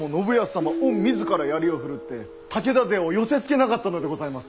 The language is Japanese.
御自ら槍を振るって武田勢を寄せつけなかったのでございます。